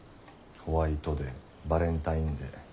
ホワイトデーバレンタインデー。